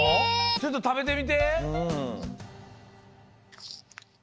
ちょっとたべてみて。